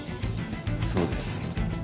そうです。